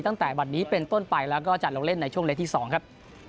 ตั้งแต่บัตรนี้เป็นต้นไปแล้วก็จะลงเล่นในช่วงเล็กที่๒ครับ